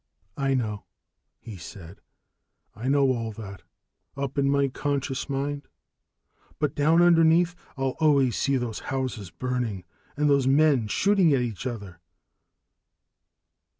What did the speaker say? "I know," he said. "I know all that, up in my conscious mind. But down underneath I'll always see those houses burning, and those men shooting at each other."